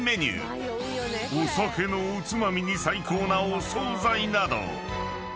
［お酒のおつまみに最高なお総菜など］